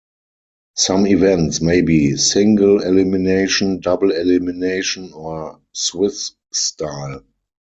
Some events may be single-elimination, double-elimination, or Swiss style.